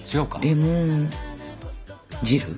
レモン汁？